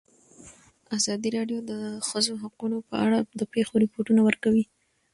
ازادي راډیو د د ښځو حقونه په اړه د پېښو رپوټونه ورکړي.